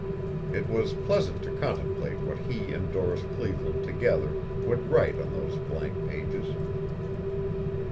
It was pleasant to contemplate what he and Doris Cleveland together would write on those blank pages.